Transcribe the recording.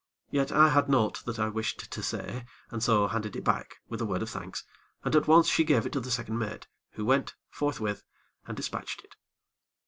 Yet I had naught that I wished to say, and so handed it back, with a word of thanks, and, at once, she gave it to the second mate, who went, forthwith, and dispatched it.